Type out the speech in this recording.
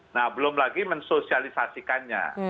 nah belum lagi mensosialisasikannya